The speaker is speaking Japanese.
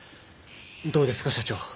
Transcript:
どうですか社長？